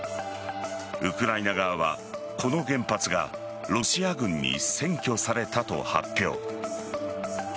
ウクライナ側は、この原発がロシア軍に占拠されたと発表。